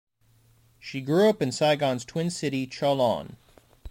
She grew up in Saigon's twin city, Cholon.